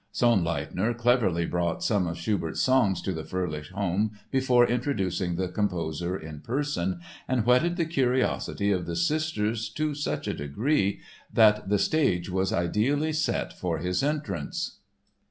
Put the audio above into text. Sonnleithner cleverly brought some of Schubert's songs to the Fröhlich home before introducing the composer in person and whetted the curiosity of the sisters to such a degree that the stage was ideally set for his entrance.